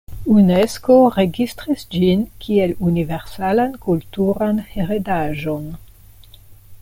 Unesko registris ĝin kiel universalan kulturan heredaĵon.